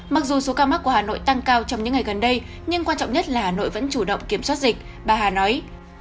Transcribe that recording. mặc dù số ca mắc của hà nội tăng cao trong những ngày gần đây nhưng quan trọng nhất là hà nội vẫn chủ động kiểm soát dịch bà hà nói